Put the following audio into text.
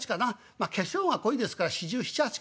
まあ化粧が濃いですから４７４８かね？